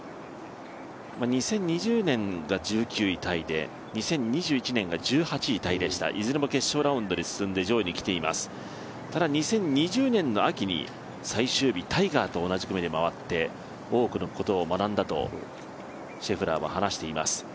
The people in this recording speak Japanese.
２０２０年が１９位タイで、２０１８年が１８位タイでした、いずれも決勝ラウンドに進んで、上位に来ています、ただ２０２０年の秋に最終日、タイガーと同じ組で回って多くのことを学んだとシェフラーは話しています。